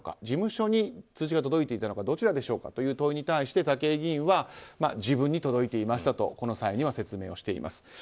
事務所に通知が届いていたのかどちらでしょうかという問いに対して武井議員は自分に届いていましたと説明しています。